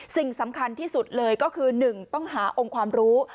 สิ่งสำคัญที่สุดเลยก็คือ๑ต้องหาองค์ความรู้